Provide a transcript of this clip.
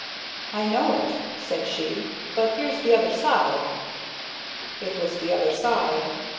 "I know it," said she. "But here's the other side." It was the other side.